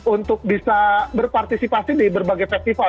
untuk bisa berpartisipasi di berbagai festival